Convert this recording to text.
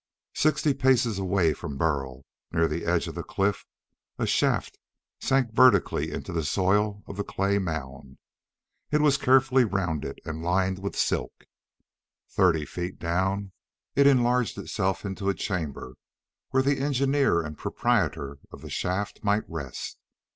Sixty paces away from Burl, near the edge of the cliff, a shaft sank vertically into the soil of the clay mound. It was carefully rounded and lined with silk. Thirty feet down, it enlarged itself into a chamber where the engineer and proprietor of the shaft might rest.